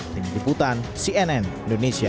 tim diputan cnn indonesia